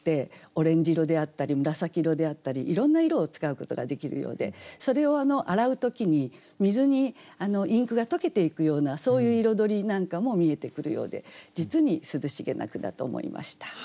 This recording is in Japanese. オレンジ色であったり紫色であったりいろんな色を使うことができるようでそれを洗う時に水にインクが溶けていくようなそういう彩りなんかも見えてくるようで実に涼しげな句だと思いました。